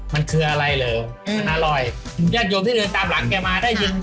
มันคืออะไรเหรอมันอร่อยญาติโยมที่เดินตามหลังแกมาได้ยิน